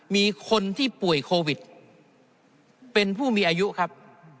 มีคนที่ป่วยโควิดเป็นผู้มีอายุครับ